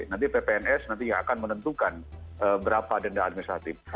nanti ppns nanti akan menentukan berapa denda administratif